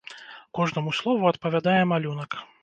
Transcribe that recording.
Кожнаму слову адпавядае малюнак.